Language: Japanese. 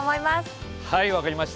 はい分かりました。